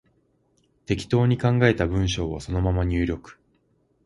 適当に考えた文章をそのまま入力